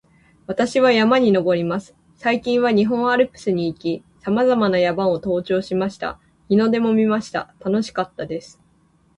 私は山に登ります。最近は日本アルプスに行き、さまざまな山を登頂しました。日の出も見ました。楽しかったです